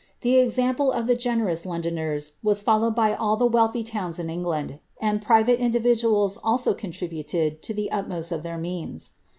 The example of the gene I Londoners was followed by all the wealthy towns in England, and lie indiTiduab also contributed to the utmost of their means.